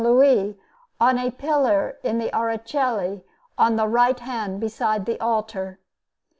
Louis on a pillar in the Araceli, on the right hand beside the altar.